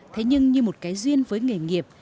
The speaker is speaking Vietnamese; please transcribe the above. thế nhưng như một cái duyên với nghề nghiệp